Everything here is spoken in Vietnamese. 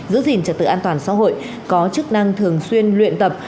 giữ gìn trật tự an toàn xã hội có chức năng thường xuyên luyện tập